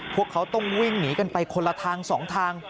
พวกเขาต้องวิ่งหนีกันไปคนละทาง๒ทาง